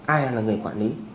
ai là người quản lý